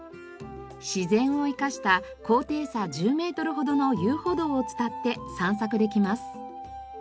自然を生かした高低差１０メートルほどの遊歩道を伝って散策できます。